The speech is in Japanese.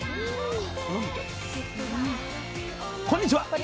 こんにちは。